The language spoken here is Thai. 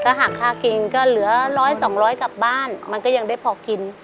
หากค่ากินก็เหลือร้อยสองร้อยกลับบ้านมันก็ยังได้พอกิน